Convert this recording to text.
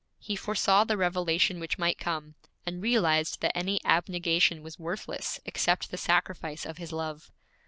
He foresaw the revelation which might come, and realized that any abnegation was worthless except the sacrifice of his love.